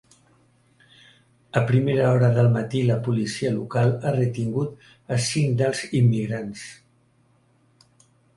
A primera hora del matí, la policia local ha retingut a cinc dels immigrants.